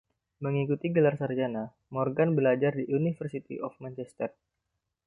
Mengikuti gelar sarjana, Morgan belajar di University of Manchester.